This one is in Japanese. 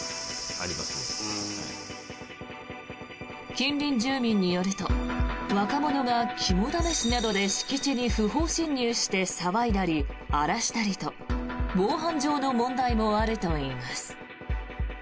近隣住民によると若者が肝試しなどで敷地に不法侵入して騒いだり荒らしたりと防犯上の問題もあるといいます。